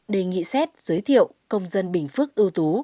đề nghị xét giới thiệu công dân bình phước ưu tú